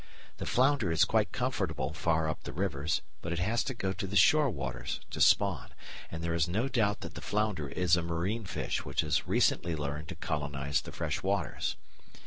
The flounder is quite comfortable far up the rivers, but it has to go to the shore waters to spawn, and there is no doubt that the flounder is a marine fish which has recently learned to colonise the fresh waters.